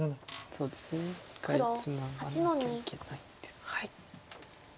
そうですね一回ツナがなきゃいけないです。